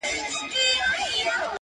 په لوی لاس ځانته کږې کړي سمي لاري--!